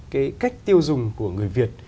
cái cách tiêu dùng của người việt